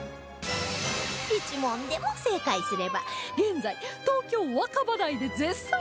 １問でも正解すれば現在東京若葉台で絶賛開催中